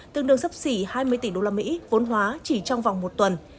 tương đương sắp xỉ hai mươi tỷ đô la mỹ vốn hóa chỉ trong vòng một tuần